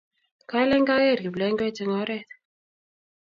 Kalen kageer kiplengwet eng oret